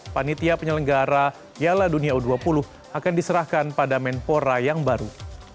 panitia penyelenggara piala dunia u dua puluh akan diserahkan pada menpora yang baru